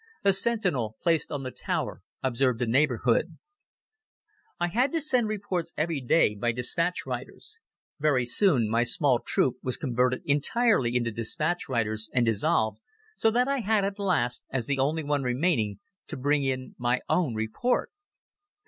A sentinel placed on the tower observed the neighborhood. I had to send reports every day by dispatch riders. Very soon my small troop was converted entirely into dispatch riders and dissolved, so that I had at last, as the only one remaining, to bring in my own report.